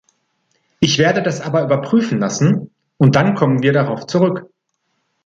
Ich werde das aber überprüfen lassen, und dann kommen wir darauf zurück.